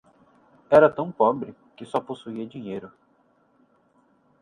Era tão pobre que só possuía dinheiro